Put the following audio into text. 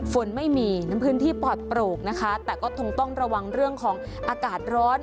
ฝนไม่มีน้ำพื้นที่ปลอดโปรกนะคะแต่ก็คงต้องระวังเรื่องของอากาศร้อน